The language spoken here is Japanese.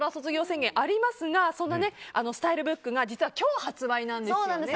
宣言ありますがスタイルブックが実は今日発売なんですよね。